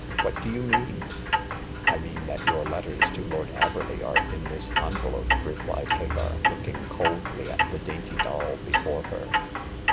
" What do you mean ?"" I mean that your letters to Lord Averley are in this envelope," replied Hagar, looking coldly at the dainty doll before her.